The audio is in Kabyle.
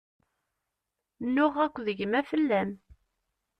Nuɣeɣ akked gma fell-am.